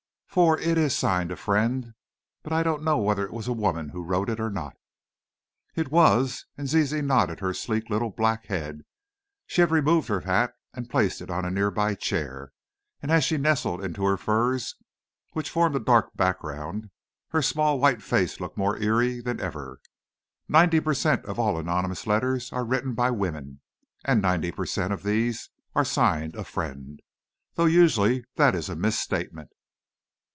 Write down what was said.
For it is signed 'A Friend,' but I don't know whether it was a woman who wrote it or not." "It was," and Zizi nodded her sleek little black head. She had removed her hat and placed it on a nearby chair, and as she nestled into her furs which formed a dark background, her small white face looked more eerie than ever. "Ninety per cent. of all anonymous letters are written by women, and ninety per cent. of these are signed 'A Friend.' Though usually that is a misstatement."